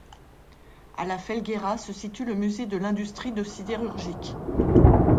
À La Felguera se situe le Musée de l'industrie de sidérurgique.